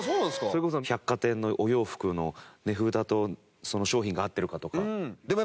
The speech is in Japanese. それこそ百貨店のお洋服の値札とその商品が合ってるかとか。